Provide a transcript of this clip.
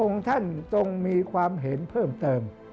ท่านจงมีความเห็นเพิ่มเติม